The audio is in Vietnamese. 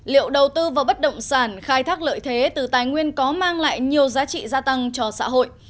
liệu đầu tư vào bất động sản khai thác lợi thế từ tài nguyên có mang lại nhiều giá trị gia tăng cho xã hội